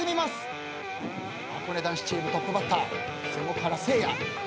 はこね男子チームトップバッター仙石原せいや。